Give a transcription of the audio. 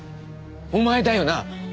お前だよな？